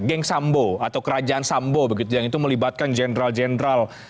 geng sambo atau kerajaan sambo begitu yang itu melibatkan jenderal jenderal